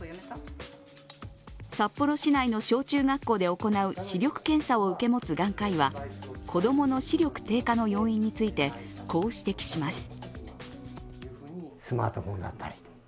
札幌市内の小中学校で行う視力検査を受け持つ眼科医は子供の視力低下の要因についてこう指摘します。